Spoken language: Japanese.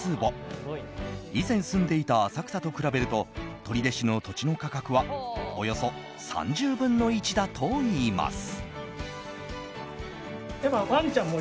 以前、住んでいた浅草と比べると取手市の土地の価格はおよそ３０分の１だといいます。